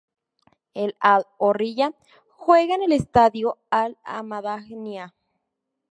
El Al-Horriya juega en el Estadio Al-Hamadaniah.